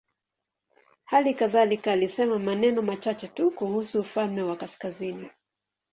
Hali kadhalika alisema maneno machache tu kuhusu ufalme wa kaskazini.